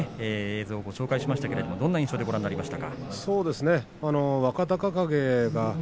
前回の対戦をご紹介しましたけれどもどんな印象でご覧になりましたか。